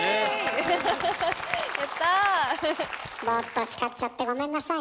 ボーっと叱っちゃってごめんなさいね。